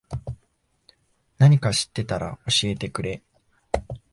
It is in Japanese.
なにか知ってたら教えてくれ。